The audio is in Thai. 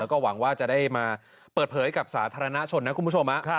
แล้วก็หวังว่าจะได้มาเปิดเผยกับสาธารณชนนะคุณผู้ชม